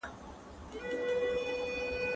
د طبیعي علومو څېړنه خورا اړینه ده.